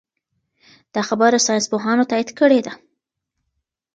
دا خبره ساینس پوهانو تایید کړې ده.